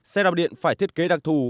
xe đạp điện phải thiết kế đặc thù